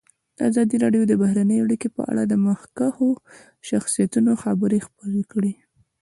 ازادي راډیو د بهرنۍ اړیکې په اړه د مخکښو شخصیتونو خبرې خپرې کړي.